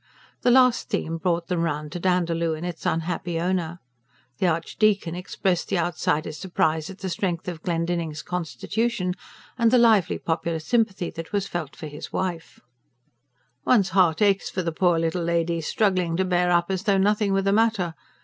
The last theme brought them round to Dandaloo and its unhappy owner. The Archdeacon expressed the outsider's surprise at the strength of Glendinning's constitution, and the lively popular sympathy that was felt for his wife. "One's heart aches for the poor little lady, struggling to bear up as though nothing were the matter.